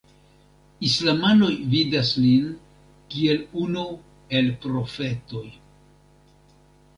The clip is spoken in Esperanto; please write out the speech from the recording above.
Islamanoj vidas lin kiel unu el profetoj.